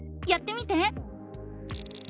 やってみて！